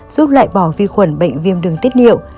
giúp loại bỏ vi khuẩn bệnh viêm đường tiết niệu